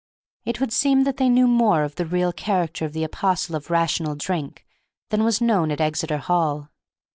It would seem that they knew more of the real character of the apostle of Rational Drink than was known at Exeter Hall.